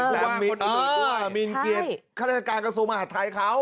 แต่มีคนอื่นด้วยหมินเกียจกระทรวงมหาธรรมไทยเขา